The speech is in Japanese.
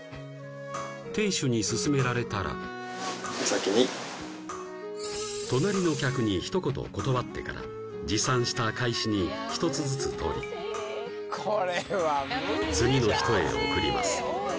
亭主に勧められたら隣の客に一言断ってから持参した懐紙に１つずつ取り次の人へ送ります